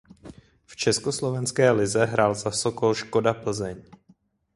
V československé lize hrál za Sokol Škoda Plzeň.